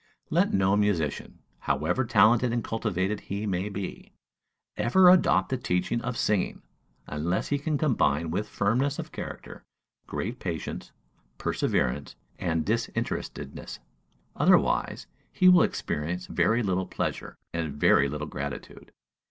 Let no musician, however talented and cultivated he may be, ever adopt the teaching of singing, unless he can combine with firmness of character great patience, perseverance, and disinterestedness; otherwise, he will experience very little pleasure and very little gratitude.